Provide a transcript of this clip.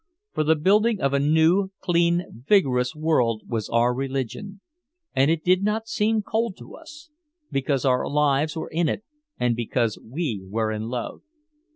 For the building of a new, clean vigorous world was our religion. And it did not seem cold to us, because our lives were in it and because we were in love.